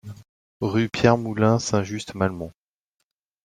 Rue Pierre Moulin, Saint-Just-Malmont